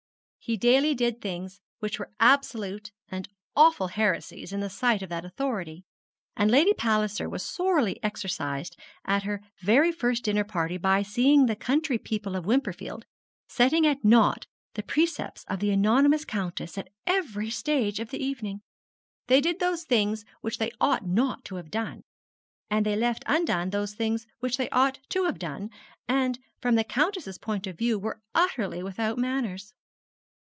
He daily did things which were absolute and awful heresies in the sight of that authority, and Lady Palliser was sorely exercised at her very first dinner party by seeing the county people of Wimperfield setting at naught the precepts of the anonymous Countess at every stage of the evening. They did those things which they ought not to have done, and they left undone those things which they ought to have done, and, from the Countess's point of view were utterly without manners.